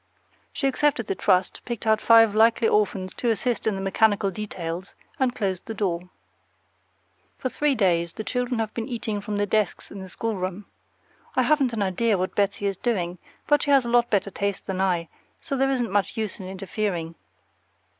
She accepted the trust, picked out five likely orphans to assist in the mechanical details, and closed the door. For three days the children have been eating from the desks in the schoolroom. I haven't an idea what Betsy is doing; but she has a lot better taste than I, so there isn't much use in interfering.